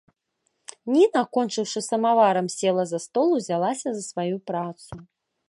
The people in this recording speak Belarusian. Ніна, кончыўшы з самаварам, села за стол, узялася за сваю працу.